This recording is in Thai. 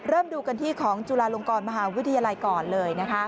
เริ่มดูกันที่ของจุฬาลงกรมหาวิทยาลัยก่อนเลย